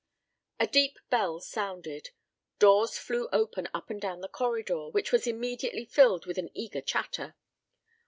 A deep bell sounded. Doors flew open up and down the corridor, which was immediately filled with an eager chatter.